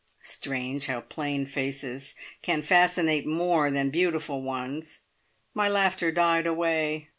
Strange how plain faces can fascinate more than beautiful ones! My laughter died away.